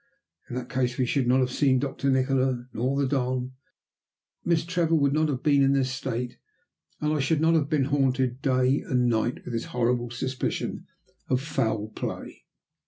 In that case we should not have seen Nikola or the Don, Miss Trevor would not have been in this state, and I should not have been haunted day and night with this horrible suspicion of foul play."